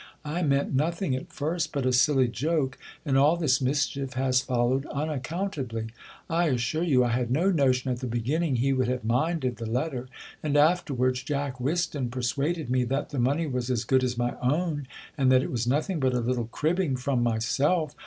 I meant nothing at first but a silly joke ; and all this mischief has followed unaccountably. I assure you, I had no notion at the beginning he would have minded the let ter 5 and afterwards. Jack Whiston persuaded me, that the money was as good a s my own, and that it was nothing but a little cribbing from myself.